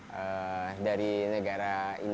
dari negara india membawa masjid ini ke keling